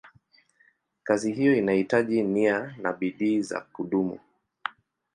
Kazi hiyo inahitaji nia na bidii za kudumu.